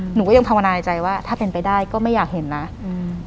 หนูก็ยังภาวนาในใจว่าถ้าเป็นไปได้ก็ไม่อยากเห็นนะอืม